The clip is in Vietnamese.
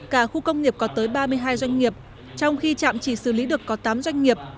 cả khu công nghiệp có tới ba mươi hai doanh nghiệp trong khi trạm chỉ xử lý được có tám doanh nghiệp